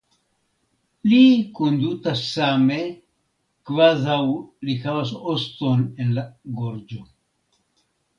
Li kondutas same kvazaŭ li havas oston en la gorĝo.